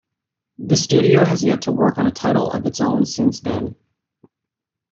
The studio has yet to work on a title of its own since then.